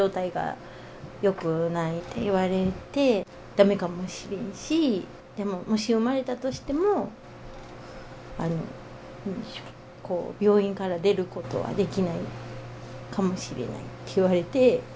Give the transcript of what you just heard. だめかもしれんしでももし生まれたとしてもあのなんでしょうこう病院から出ることはできないかもしれないって言われて。